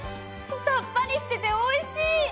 さっぱりしてて美味しい！